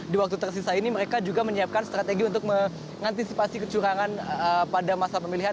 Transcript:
di waktu tersisa ini mereka juga menyiapkan strategi untuk mengantisipasi kecurangan pada masa pemilihan